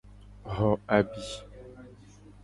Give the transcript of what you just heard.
Xo abi.